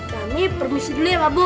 kami permisi dulu ya pak bu